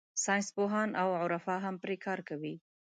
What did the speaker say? ساینسپوهان او عرفا هم پرې کار کوي.